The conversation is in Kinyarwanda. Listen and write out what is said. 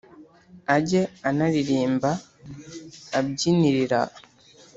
ajye anaririmba abyinirira